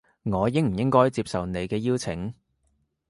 我應唔應該接受你嘅邀請